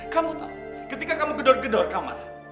kamu tau ketika kamu gedor gedor kamarnya